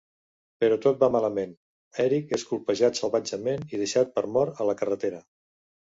Però tot va malament, Eric és colpejat salvatgement i deixat per mort a la carretera.